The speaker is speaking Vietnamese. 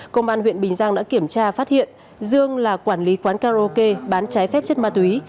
công an huyện bình giang đã kiểm tra phát hiện dương là quản lý quán karaoke bán trái phép chất ma túy